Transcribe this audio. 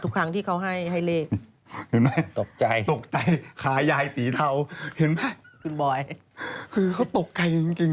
ทุกครั้งที่เขาให้เลขตกใจขายายสีเทาเห็นไหมคือเขาตกใครจริง